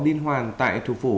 linh hoàng tại thủ phủ